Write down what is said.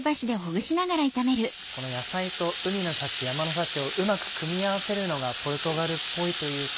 この野菜と海の幸山の幸をうまく組み合わせるのがポルトガルっぽいというか。